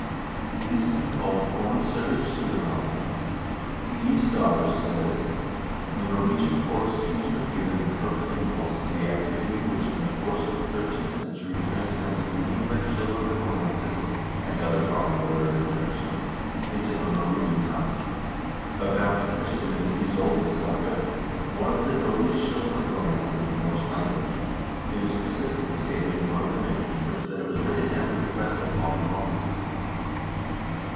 These have been called " Forns0gur SuSrlanda." E. Sars says :" The Norwegian court seems to have given the first impulse to the activity which in the course of the thirteenth century transplanted many French chivalric romances and other foreign literary productions into the Norwegian tongue. About 'Tristan and Isoldes Saga,' one of the earliest chivalric romances in the Norse language, it is specifically stated in one of the manuscripts that it was written at the request of Haakon Haakonsson.